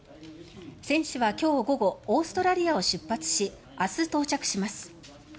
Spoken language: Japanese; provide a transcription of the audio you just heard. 選手は今日午後オーストラリアを出発し明日、到着します。